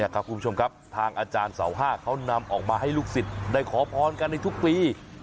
คุณผู้ชมครับทางอาจารย์เสา๕เขานำออกมาให้ลูกศิษย์ได้ขอพรกันในทุกปี